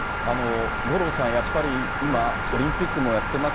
五郎さん、やっぱり、今、オリンピックもやってます。